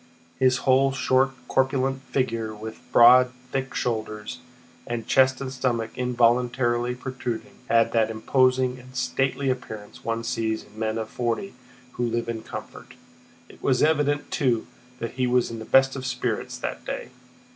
His whole short corpulent figure with broad thick shoulders, and chest and stomach involuntarily protruding, had that imposing and stately appearance one sees in men of forty who live in comfort. It was evident, too, that he was in the best of spirits that day.